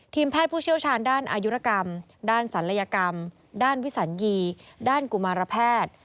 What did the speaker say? แพทย์ผู้เชี่ยวชาญด้านอายุรกรรมด้านศัลยกรรมด้านวิสัญญีด้านกุมารแพทย์